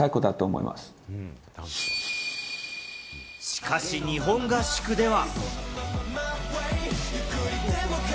しかし日本合宿では。